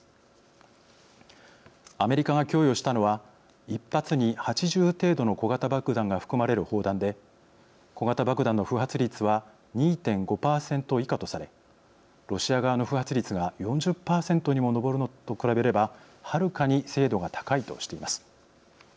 アメリカが供与したのは１発に８０程度の小型爆弾が含まれる砲弾で小型爆弾の不発率は２．５％以下とされロシア側の不発率が４０％にも上るのと比べればはるかに精度が高いとしています。